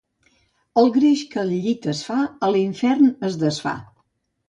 El greix que al llit es fa, a l'infern es desfà.